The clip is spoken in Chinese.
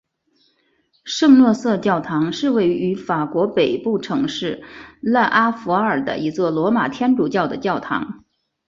圣若瑟教堂是位于法国北部城市勒阿弗尔的一座罗马天主教的教堂。